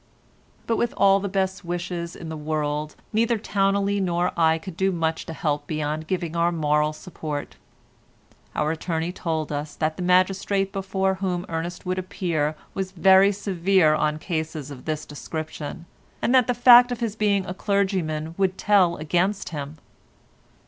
But with all the best wishes in the world neither Towneley nor I could do much to help beyond giving our moral support. Our attorney told us that the magistrate before whom Ernest would appear was very severe on cases of this description, and that the fact of his being a clergyman would tell against him.